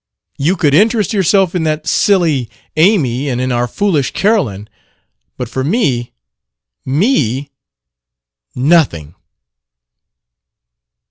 You could interest yourself in that silly Amy and in our foolish Carolyn; but for me me Nothing!"